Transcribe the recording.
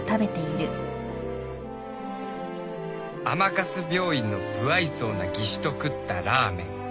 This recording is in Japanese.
「甘春病院の無愛想な技師と食ったラーメン！」